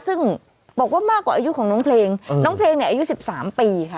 ซึ่งบอกว่ามากกว่าอายุของน้องเพลงน้องเพลงเนี่ยอายุ๑๓ปีค่ะ